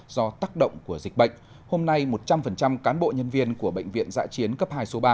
do tác động của dịch bệnh hôm nay một trăm linh cán bộ nhân viên của bệnh viện dạ chiến cấp hai số ba